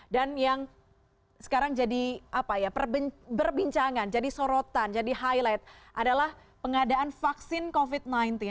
dan yang sekarang jadi apa ya berbincangan jadi sorotan jadi highlight adalah pengadaan vaksin covid sembilan belas